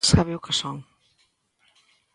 Sabe o que son.